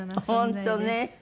本当ね。